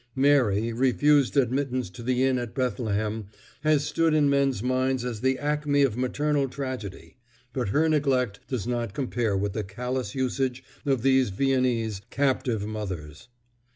Mary, refused admittance to the inn at Bethlehem, has stood in men's minds as the acme of maternal tragedy; but her neglect does not compare with the callous usage of these Viennese, captive mothers.